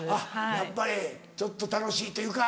やっぱりちょっと楽しいというか。